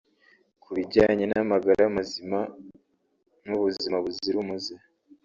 Ku bijyanye n’amagara mazima n’ubuzima buzira umuze